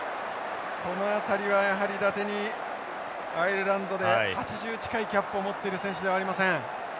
この辺りはやはりだてにアイルランドで８０近いキャップを持っている選手ではありません。